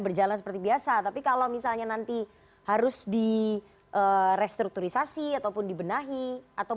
berjalan seperti biasa tapi kalau misalnya nanti harus di restrukturisasi ataupun dibenahi atau